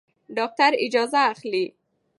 ډاکټر اجازه اخلي.